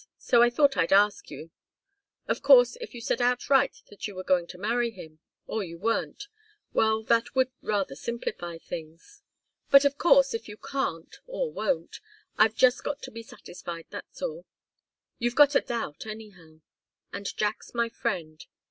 So I thought I'd ask you. Of course, if you said right out that you were going to marry him or you weren't well, that would rather simplify things. But of course, if you can't, or won't, I've just got to be satisfied, that's all. You've got a doubt, anyhow. And Jack's my friend.